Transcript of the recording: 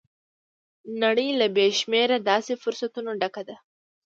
نړۍ له بې شمېره داسې فرصتونو ډکه ده.